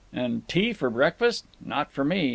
…. And tea for breakfast! Not for me!